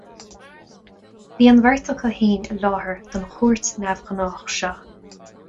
Bhí an bheirt acu féin i láthair don chuairt neamhghnách seo.